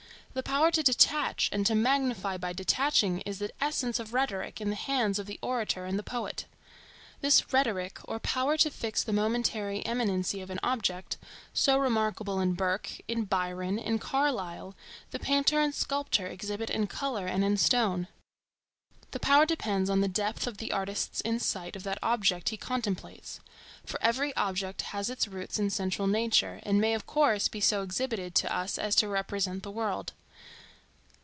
The power to detach and to magnify by detaching is the essence of rhetoric in the hands of the orator and the poet. This rhetoric, or power to fix the momentary eminency of an object,—so remarkable in Burke, in Byron, in Carlyle,—the painter and sculptor exhibit in color and in stone. The power depends on the depth of the artist's insight of that object he contemplates. For every object has its roots in central nature, and may of course be so exhibited to us as to represent the world.